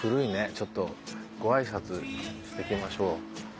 ちょっとごあいさつしていきましょう。